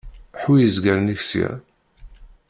Ḥwi izgaren-ik sya.